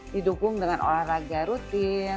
didukung dengan olahraga rutin